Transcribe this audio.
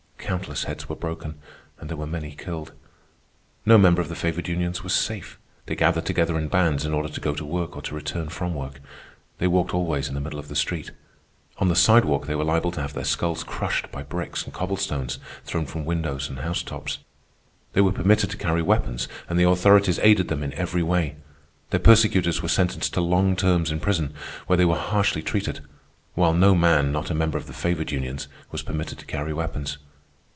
Countless heads were broken, and there were many killed. No member of the favored unions was safe. They gathered together in bands in order to go to work or to return from work. They walked always in the middle of the street. On the sidewalk they were liable to have their skulls crushed by bricks and cobblestones thrown from windows and house tops. They were permitted to carry weapons, and the authorities aided them in every way. Their persecutors were sentenced to long terms in prison, where they were harshly treated; while no man, not a member of the favored unions, was permitted to carry weapons.